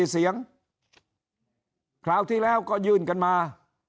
๔เสียงคราวที่แล้วก็ยื่นกันมา